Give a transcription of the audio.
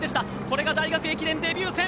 これが大学駅伝デビュー戦。